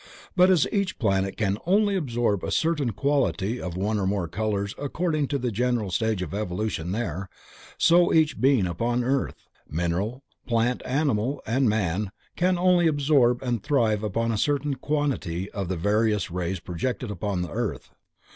But as each planet can only absorb a certain quantity of one or more colors according to the general stage of evolution there, so each being upon earth: mineral, plant, animal and man can only absorb and thrive upon a certain quantity of the various rays projected upon the earth.